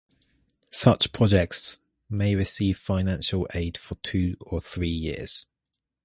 Such projects may receive financial aid for two or three years.